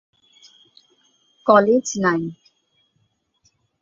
College নাই।